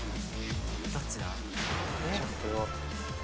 どっちだ？